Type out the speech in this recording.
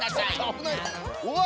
うわ！